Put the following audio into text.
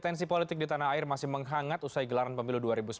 tensi politik di tanah air masih menghangat usai gelaran pemilu dua ribu sembilan belas